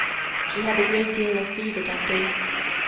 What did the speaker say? She had a great deal of fever that day.